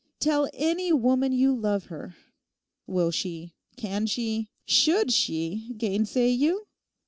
Tell any woman you love her; will she, can she, should she, gainsay you?